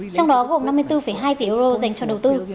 trong đó gồm năm mươi bốn hai tỷ euro dành cho đầu tư